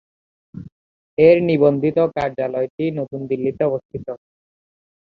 এর নিবন্ধিত কার্যালয়টি নতুন দিল্লিতে অবস্থিত।